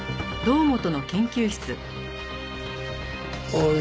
おい